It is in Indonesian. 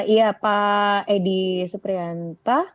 iya pak edi suprianta